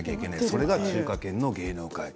それが中華圏の芸能界。